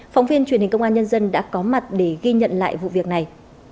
phóng viên truyền hình công an nhân dân đã có mặt để ghi nhận lại vụ việc này